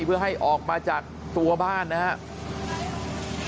เพื่อให้ออกมาจากตัวบ้านนะครับ